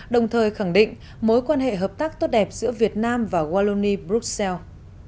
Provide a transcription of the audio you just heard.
đồng thời khẳng định mối quan hệ hợp tác tốt đẹp giữa việt nam và walloni bruxelles